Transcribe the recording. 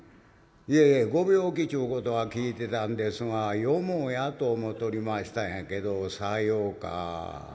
いえいえご病気ちゅうことは聞いてたんですがよもやと思うとりましたんやけどさようか」。